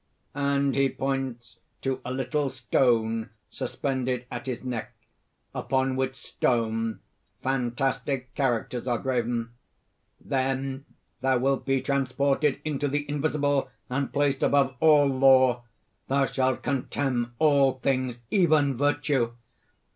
(And he points to a little stone suspended at his neck, upon which stone fantastic characters are graven.) "Then thou wilt be transported into the Invisible and placed above all law; thou shalt contemn all things even virtue!